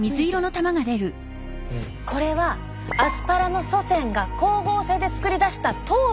これはアスパラの祖先が光合成で作り出した糖分。